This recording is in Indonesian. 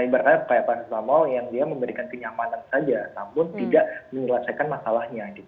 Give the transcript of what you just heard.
ibaratnya kayak pasetamol yang dia memberikan kenyamanan saja namun tidak menyelesaikan masalahnya gitu